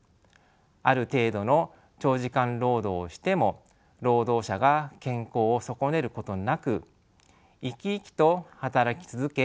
ある程度の長時間労働をしても労働者が健康を損ねることなく生き生きと働き続け